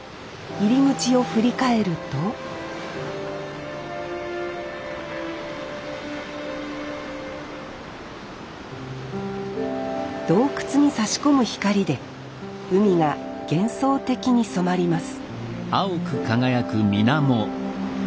入り口を振り返ると洞窟にさし込む光で海が幻想的に染まります